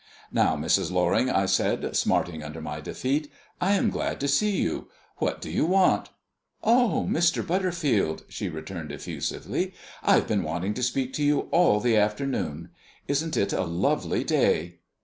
"Now, Mrs. Loring," I said, smarting under my defeat; "I am glad to see you. What do you want?" "Oh, Mr. Butterfield," she returned effusively, "I've been wanting to speak to you all the afternoon. Isn't it a lovely day?"